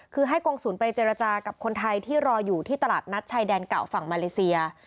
คือให้กรงศูนย์ไปเจรจากับคนไทยที่รออยู่ที่ตลาดนัดชายแดนเก่าฝั่งมาเลเซีย